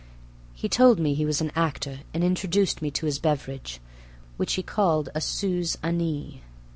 He told me he was an actor and introduced me to his beverage, which he called a "Suze Anni".